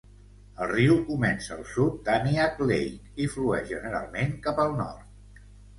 El riu comença al sud d'Aniak Lake i flueix generalment cap al nord.